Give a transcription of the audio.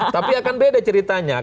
tapi akan beda ceritanya